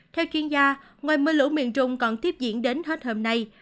theo chuyên gia ngoài mưa lũ miền trung còn tiếp diễn đến hết hôm nay